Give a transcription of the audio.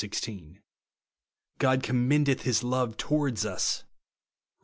16) ;" God com mendeth his love towards ns," (Kom.